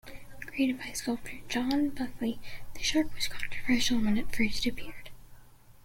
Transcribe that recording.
Created by sculptor John Buckley, the shark was controversial when it first appeared.